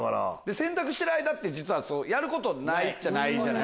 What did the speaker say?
洗濯してる間って実はやることないじゃないですか。